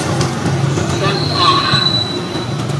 ¡Catax!